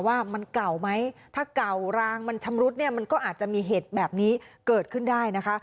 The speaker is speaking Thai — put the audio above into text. ว่ามันเก่าไหมถ้าเก่ารางมันชำรุดเนี่ยมันก็อาจจะมีเหตุแบบนี้เกิดขึ้นได้นะคะ